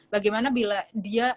bagaimana bila dia